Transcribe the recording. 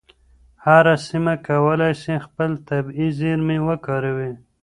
هره سیمه کولای سي خپل طبیعي زیرمې وکاروي.